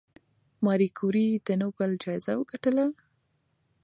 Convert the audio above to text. ماري کوري د نوبل جایزه وګټله؟